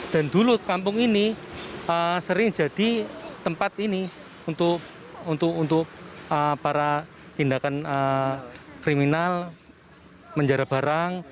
dan dulu kampung ini sering jadi tempat ini untuk para tindakan kriminal menjara barang